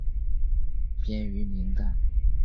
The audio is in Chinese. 编于明代。